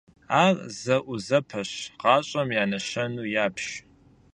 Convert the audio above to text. Ар зэӀузэпэщ гъащӀэм и нэщэнэу ябж.